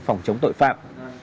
phòng chống tội phạm